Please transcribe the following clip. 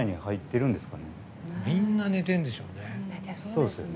みんな、寝てるでしょうね。